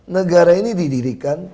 negara ini didirikan